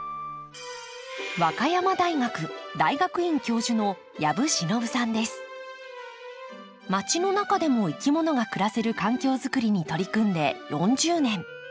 和歌山大学大学院教授のまちの中でもいきものが暮らせる環境作りに取り組んで４０年。